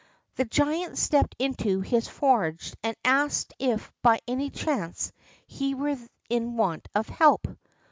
The giant stepped into his forge and asked if by any chance he were in want of help.